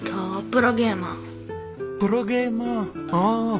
プロゲーマーああ。